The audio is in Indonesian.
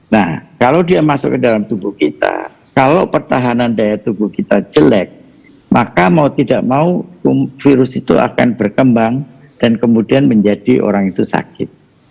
nah kalau dia masuk ke dalam tubuh kita kalau pertahanan daya tubuh kita jelek maka mau tidak mau virus itu akan berkembang dan kemudian menjadi orang itu sakit